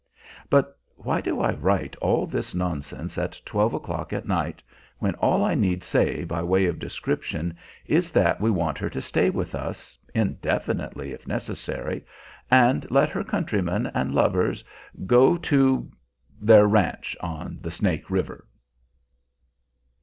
But why do I write all this nonsense at twelve o'clock at night, when all I need say by way of description is that we want her to stay with us, indefinitely if necessary, and let her countrymen and lovers go to their ranch on the Snake River!